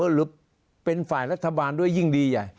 หรือเป็นฝ่ายรัฐบาลด้วยยิ่งดีใหญ่